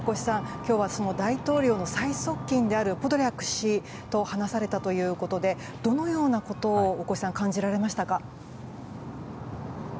今日は大統領の最側近であるポドリャク氏と話されたということでどのようなことを大越さんは感じられましたか。